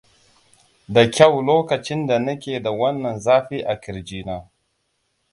da kyau lokacin da nake da wannan zafi a kirji na